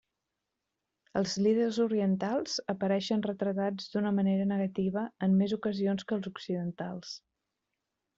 Els líders orientals apareixen retratats d'una manera negativa en més ocasions que els occidentals.